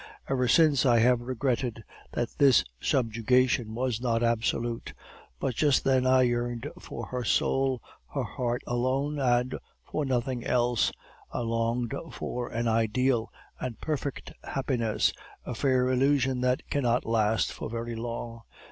Ever since I have regretted that this subjugation was not absolute; but just then I yearned for her soul, her heart alone, and for nothing else. I longed for an ideal and perfect happiness, a fair illusion that cannot last for very long.